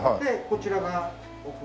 こちらが。